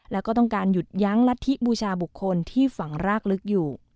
แล้วก็ต้องการหยุดยั้งรัฐธิบูชาบุคคลที่ฝังรากลึกอยู่